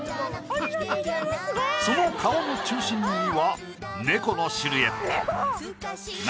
その顔の中心には猫のシルエット。